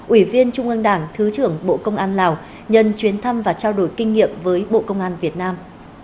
ủy viên trung ương đảng thứ trưởng bộ công an lào nhân chuyến thăm và trao đổi kinh nghiệm với bộ công an việt nam